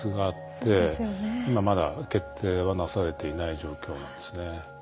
今まだ決定はなされていない状況なんですね。